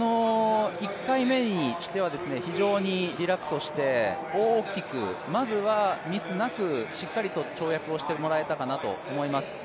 １回目にしては非常にリラックスをして大きく、まずはミスなく、しっかりと跳躍をしてもらえたかなと思います。